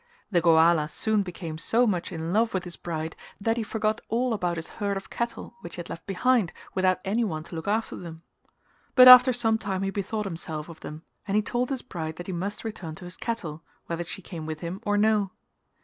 The Goala soon became so much in love with his bride that he forgot all about his herd of cattle which he had left behind, without any one to look after them; but after some time he bethought himself of them and he told his bride that he must return to his cattle, whether she came with him or no.